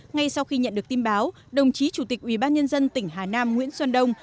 ngay sau khi nhận được tin báo đồng chí chủ tịch ubnd tỉnh hà nam nguyễn xuân đông